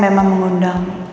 saya memang mengundang